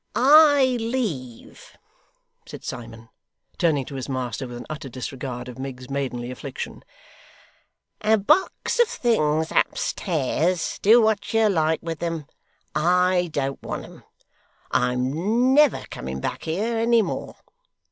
'I leave,' said Simon, turning to his master, with an utter disregard of Miggs's maidenly affliction, 'a box of things upstairs. Do what you like with 'em. I don't want 'em. I'm never coming back here, any more.